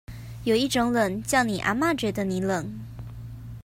有一種冷，叫你阿嘛覺得你冷